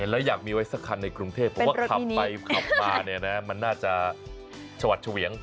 แล้วอยากมีไว้สักคันในกรุงเทพผมว่าขับไปขับมาเนี่ยนะมันน่าจะชวัดเฉวียง